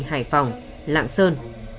hải phòng lạng sơn